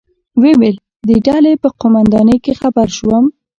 ویې ویل: د ډلې په قومندانۍ کې خبر شوم.